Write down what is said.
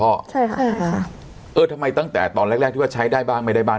ใช่ค่ะเออทำไมตั้งแต่ตอนแรกแรกที่ว่าใช้ได้บ้างไม่ได้บ้าง